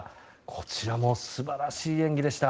こちらも素晴らしい演技でした。